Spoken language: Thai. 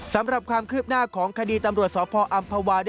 สำหรับความคืบหน้าของคดีตำรวจสพออำภาวา